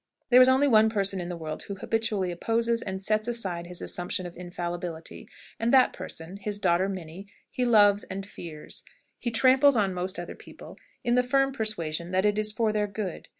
There is only one person in the world who habitually opposes and sets aside his assumption of infallibility, and that person his daughter Minnie he loves and fears. He tramples on most other people, in the firm persuasion that it is for their good.